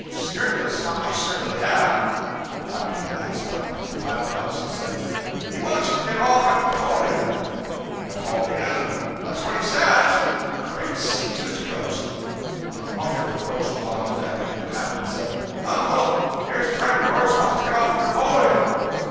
'Serious? I certainly am.' The captain glanced up at the pilot house and said 'He wants to get off at Napoleon!' 'Napoleon?' 'That's what he says.' 'Great Caesar's ghost!' Uncle Mumford approached along the deck. The captain said 'Uncle, here's a friend of yours wants to get off at Napoleon!'